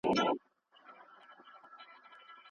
که مورنۍ ژبه وي، نو ستړیا نه راځي.